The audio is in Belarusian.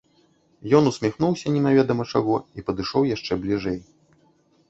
Ён усміхнуўся немаведама чаго і падышоў яшчэ бліжэй.